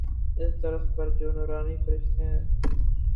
اس درخت پر جو نوارنی فرشتے ہیں۔